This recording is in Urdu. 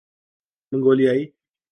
منگولیائی